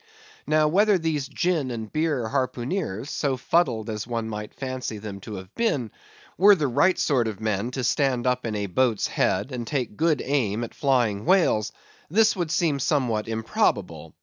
Now, whether these gin and beer harpooneers, so fuddled as one might fancy them to have been, were the right sort of men to stand up in a boat's head, and take good aim at flying whales; this would seem somewhat improbable.